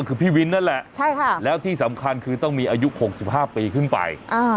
คือพี่วินนั่นแหละแล้วที่สำคัญคือต้องมีอายุ๖๕ปีขึ้นไป